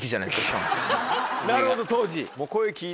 なるほど当時。